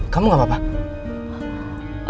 kamu gak apa apa